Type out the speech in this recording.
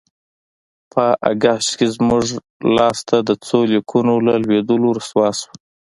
په اګست کې زموږ لاسته د څو لیکونو له لوېدلو رسوا شوه.